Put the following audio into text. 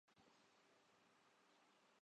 یہاں کا پانی بہت ٹھنڈا تھا ۔